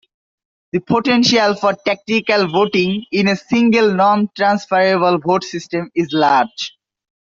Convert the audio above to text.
The potential for tactical voting in a single non-transferable vote system is large.